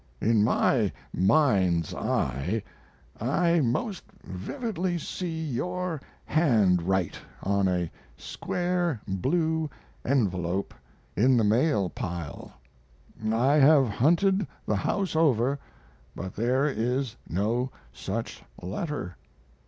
In my mind's eye I most vividly see your hand write on a square blue envelope in the mail pile. I have hunted the house over, but there is no such letter.